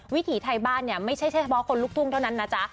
วิถีไทยบ้านเนี่ยไม่ใช่เฉพาะคนลุกทุ่งเท่านั้นนะจ๊ะ